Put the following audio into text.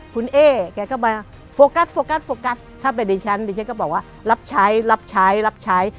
คุณเอ๊แกก็มาโฟกัสโฟกัสโฟกัสถ้าเป็นดิฉันดิฉันก็บอกว่ารับใช้รับใช้รับใช้